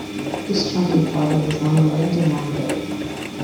This chunky plover is long-legged and long-billed.